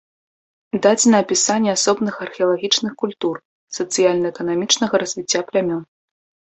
Дадзена апісанне асобных археалагічных культур, сацыяльна-эканамічнага развіцця плямён.